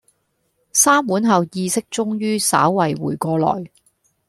三碗後意識終於稍為回過來